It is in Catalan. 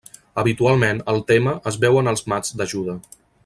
Habitualment, el tema es veu en els mats d'ajuda.